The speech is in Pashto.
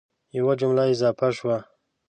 یوه جمله اضافه شوه